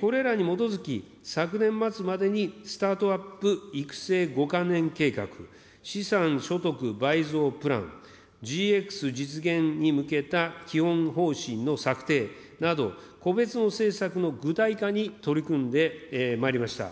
これらに基づき、昨年末までにスタートアップ育成５か年計画、資産所得倍増プラン、ＧＸ実現に向けた基本方針の策定など個別の政策の具体化に取り組んでまいりました。